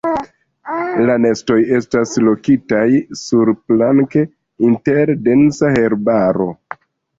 La nestoj estas lokitaj surplanke inter densa herbaro.